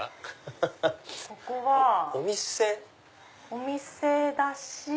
お店だし。